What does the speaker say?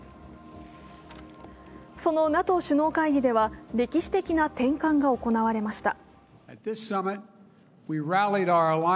そのＮＡＴＯ首脳会議では歴史的な転換が行われました。